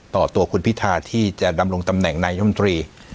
ต่อตัวคุณพิธาที่จะดำรงตำแหน่งนายมนตรี